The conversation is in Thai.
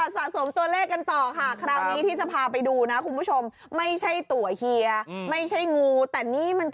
สรุปแกล้งเปลือทำยังไงอะ